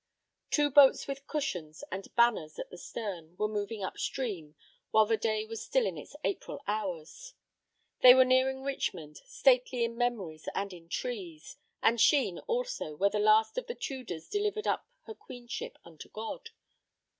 Two boats with cushions and banners at the stern were moving up stream while the day was still in its April hours. They were nearing Richmond, stately in memories and in trees, and Sheen also, where the last of the Tudors delivered up her queenship unto God.